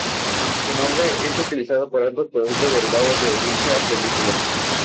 El nombre es utilizado por otros productos derivados de dicha película.